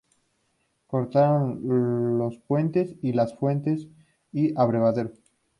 Cortaron los puentes y las fuentes y abrevaderos.